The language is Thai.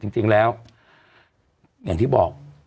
จริงแล้วอย่างที่บอก